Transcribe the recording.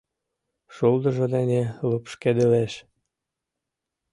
Шулдыржо дене лупшкедылеш.